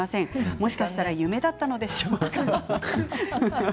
もしかしたら夢だったんでしょうか。